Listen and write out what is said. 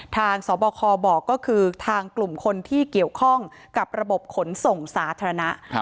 ทางสบคบอกก็คือทางกลุ่มคนที่เกี่ยวข้องกับระบบขนส่งสาธารณะ